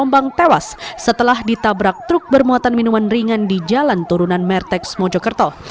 korban tewas setelah ditabrak truk bermuatan minuman ringan di jalan turunan merteks mojokerto